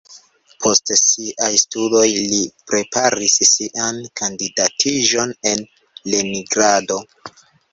Post siaj studoj li preparis sian kandidatiĝon en Leningrado.